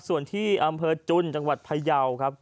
ส่วนที่อำเภอจุนจังหวัดพยาวครับ